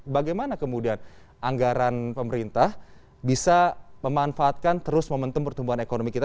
bagaimana kemudian anggaran pemerintah bisa memanfaatkan terus momentum pertumbuhan ekonomi kita